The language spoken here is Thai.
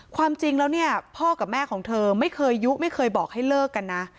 ความจริงแล้วเนี่ยพ่อกับแม่ของเธอไม่เคยยุไม่เคยบอกให้เลิกกันนะ